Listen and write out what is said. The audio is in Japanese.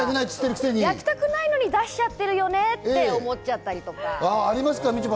やきたくないのに出しちゃってるよねって、思っちゃったりして。